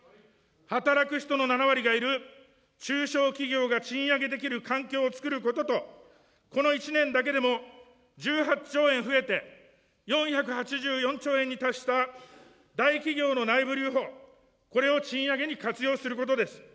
働く人の７割がいる中小企業が賃上げできる環境をつくることと、この１年だけでも１８兆円増えて、４８４兆円に達した大企業の内部留保、これを賃上げに活用することです。